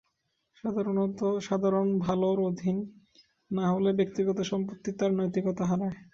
সাধারণ ভালোর অধীন না হলে ব্যক্তিগত সম্পত্তি তার নৈতিকতা হারায়।